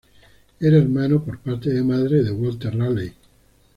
Era hermano por parte de madre de Walter Raleigh.